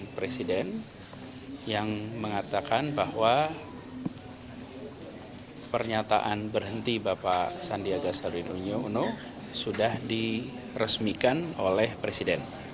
pks berharap gerindra sudah selesai diresmikan oleh presiden